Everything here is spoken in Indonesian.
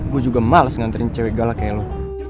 gue juga males nganterin cewek galak ke lo